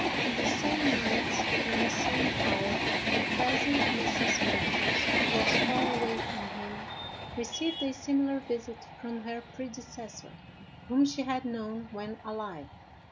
On the same night, and at the same hour, the present Mrs. Mathews, who was far away from him, received a similar visit from her predecessor, whom she had known when alive.